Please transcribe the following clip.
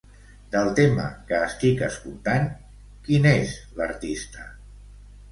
Del tema que estic escoltant, qui n'és l'artista?